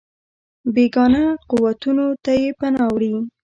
بېګانه قوتونو ته یې پناه وړې.